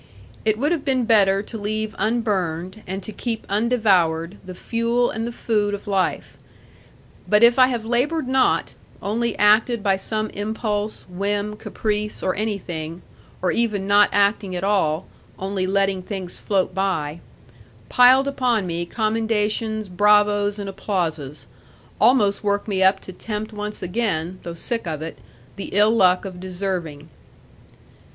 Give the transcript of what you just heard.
It would have been better to leave unburned, and to keep undevoured, the fuel and the food of life. But if I have laboured not, only acted by some impulse, whim, caprice, or anything; or even acting not at all, only letting things float by; piled upon me commendations, bravoes, and applauses, almost work me up to tempt once again (though sick of it) the ill luck of deserving.